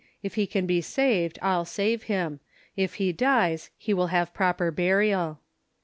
If he can be saved, I'll save him. If he dies, he will have proper burial."